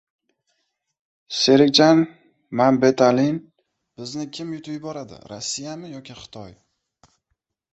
Serikjan Mambetalin: bizni kim yutib yuboradi - Rossiyami yoki Xitoy?